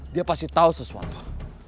dia pasti tahu sesuatu